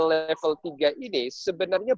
level tiga ini sebenarnya